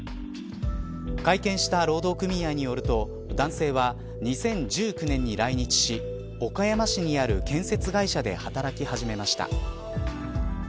会見した労働組合によると男性は２０１９年に来日し岡山市にある建設会社で働き始めました。